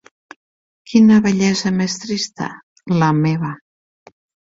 Quina vellesa més trista, la meva!